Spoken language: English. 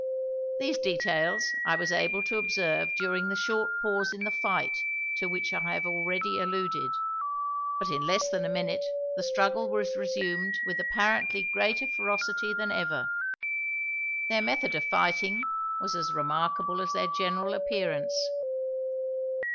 These details I was able to observe during the short pause in the fight to which I have already alluded, but in less than a minute the struggle was resumed with apparently greater ferocity than ever. Their method of fighting was as remarkable as their general appearance.